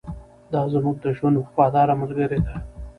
دا زموږ د ژوند وفاداره ملګرې ده.